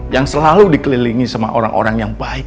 yang selalu dikelilingi sama orang orang yang baik